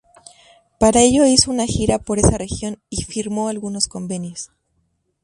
Para ello hizo una gira por esa región y firmó algunos convenios.